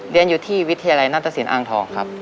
เรียนอยู่ที่วิทยาลัยนัตตสินอ่างทองครับ